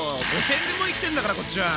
５０００年も生きてるんだからこっちは。